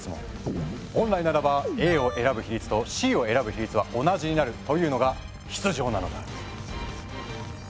本来ならばＡを選ぶ比率とＣを選ぶ比率は同じになるというのが必定なのだ。